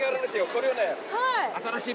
これがね。